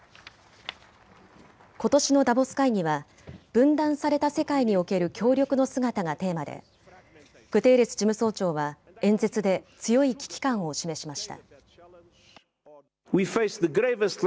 ことしのダボス会議は分断された世界における協力の姿がテーマでグテーレス事務総長は演説で強い危機感を示しました。